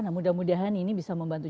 nah mudah mudahan ini bisa membantu